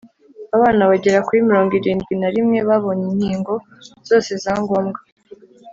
abana bagera kuri mirongo irindwi na rimwe babonye inkingo zose za ngombwa.